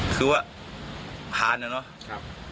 คือว่าผ่านแล้วเนาะครับ